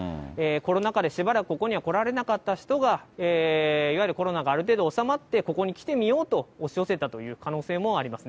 コロナ禍でしばらくここには来られなかった人が、いわゆるコロナがある程度おさまってここに来てみようと押し寄せ